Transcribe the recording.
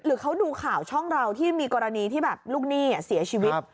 เขาดูข่าวช่องเราที่มีกรณีที่แบบลูกหนี้เสียชีวิต